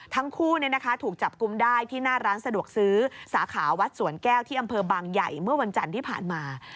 ทั้งคู่ถูกจับกุมได้ที่หน้าร้านสะดวกซื้อสาขาวัดสวนแก้วที่อำเภอบางใหญ่เมื่อวันจันทร์ที่ผ่านมา